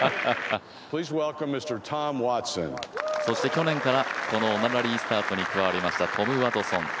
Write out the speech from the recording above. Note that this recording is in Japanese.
去年から、このオナラリースタートに加わりました、トム・ワトソン。